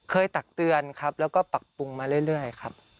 ตักเตือนครับแล้วก็ปรับปรุงมาเรื่อยครับ